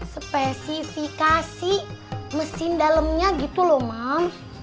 spesifikasi mesin dalemnya gitu loh mam